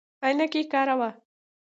عینکې کاروئ؟